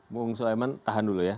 bung sulaiman tahan dulu ya